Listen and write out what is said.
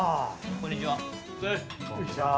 こんにちは。